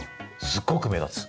すごく目立つ！